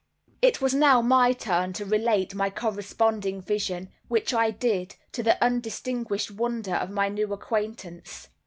It was now my turn to relate my corresponding vision, which I did, to the undisguised wonder of my new acquaintance.